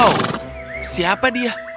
oh siapa dia